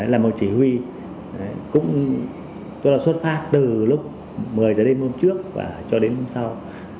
là một chỉ huy tôi là xuất phát từ lúc một mươi giờ đến hôm trước và cho đến hôm sau